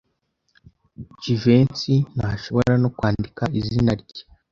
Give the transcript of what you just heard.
Jivency ntashobora no kwandika izina rye.